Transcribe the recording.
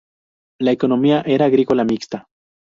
La economía era agrícola mixta.